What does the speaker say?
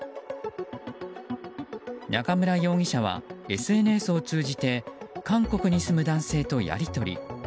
中村容疑者はＳＮＳを通じて韓国に住む男性とやり取り。